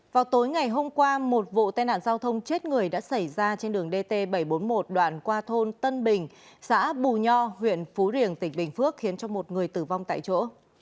vào tối ngày hôm qua một vụ tai nạn giao thông chết người đã xảy ra trên đường dt bảy trăm bốn mươi một đoạn qua thôn tân bình xã bù nho huyện phú riềng tỉnh bình phước khiến một người tử vong tại chỗ